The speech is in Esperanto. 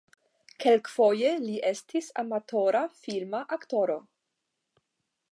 Kelkfoje li estis amatora filma aktoro.